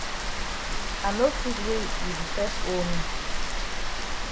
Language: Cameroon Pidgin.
I no fit wey you di fes owe me.